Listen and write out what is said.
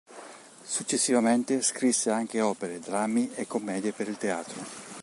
Successivamente scrisse anche opere, drammi e commedie per il teatro.